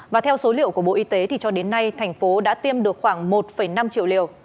và theo số liệu của bộ y tế thì cho đến nay thành phố đã tiêm được khoảng một năm triệu liều